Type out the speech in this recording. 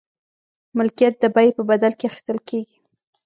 ملکیت د بیې په بدل کې اخیستل کیږي.